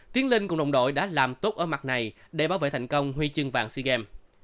tiến linh cùng đồng đội đã làm tốt ở mặt này để bảo vệ thành công huy chương vàng sea games